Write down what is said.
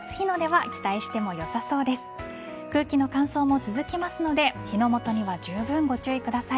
空気の乾燥も続きますので火の元にはじゅうぶんご注意ください。